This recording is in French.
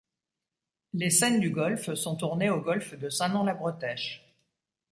Les scènes du golf sont tournées au golf de Saint-Nom-la-Bretèche.